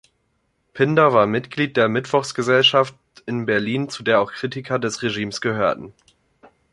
Pinder war Mitglied der Mittwochsgesellschaft in Berlin, zu der auch Kritiker des Regimes gehörten.